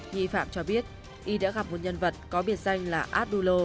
nghi phạm cho biết y đã gặp một nhân vật có biệt danh là abdullo